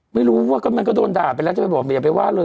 ไม่รู้ว่าก็มันก็โดนด่าไปแล้วจะไปบอกอย่าไปว่าเลย